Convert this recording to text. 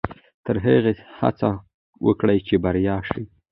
تر هغې هڅه وکړئ چې بریالي شئ.